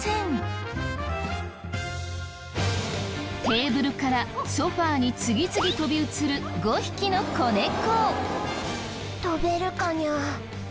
テーブルからソファに次々飛び移る５匹の子猫。